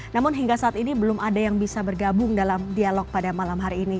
namun hingga saat ini belum ada yang bisa bergabung dalam dialog pada malam hari ini